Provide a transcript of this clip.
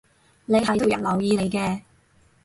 你係都要人留意你嘅